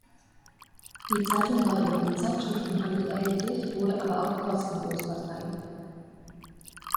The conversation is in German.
Die Zeitung war über den Zeitschriftenhandel erhältlich, wurde aber auch kostenlos verteilt.